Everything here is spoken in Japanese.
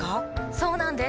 そうなんです。